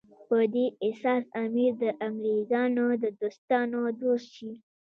په دې اساس امیر د انګریزانو د دوستانو دوست شي.